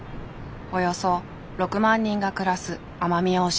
およそ６万人が暮らす奄美大島。